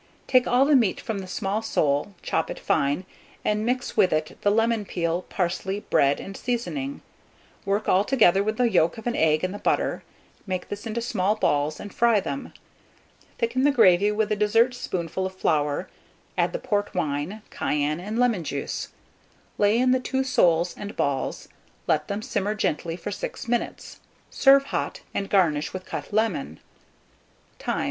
Take all the meat from the small sole, chop it fine, and mix with it the lemon peel, parsley, bread, and seasoning; work altogether, with the yolk of an egg and the butter; make this into small balls, and fry them. Thicken the gravy with a dessert spoonful of flour, add the port wine, cayenne, and lemon juice; lay in the 2 soles and balls; let them simmer gently for 6 minutes; serve hot, and garnish with cut lemon. Time.